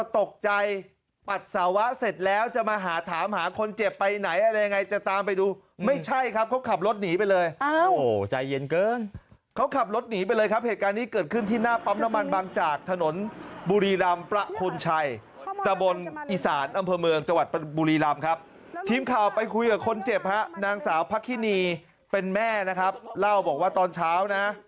ตกใจปัสสาวะเสร็จแล้วจะมาหาถามหาคนเจ็บไปไหนอะไรยังไงจะตามไปดูไม่ใช่ครับเขาขับรถหนีไปเลยโอ้โหใจเย็นเกินเขาขับรถหนีไปเลยครับเหตุการณ์นี้เกิดขึ้นที่หน้าปั๊มน้ำมันบางจากถนนบุรีรำประคนชัยตะบนอีสานอำเภอเมืองจังหวัดบุรีรำครับทีมข่าวไปคุยกับคนเจ็บฮะนางสาวพระคินีเป็นแม่นะครับเล่าบอกว่าตอนเช้านะ